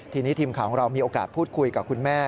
ทีนี้ทีมข่าวของเรามีโอกาสพูดคุยกับคุณแม่